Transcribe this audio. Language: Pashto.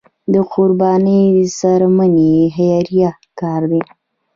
د قربانۍ څرمنې خیریه کار دی